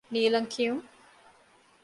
ނީލަން ކިޔުން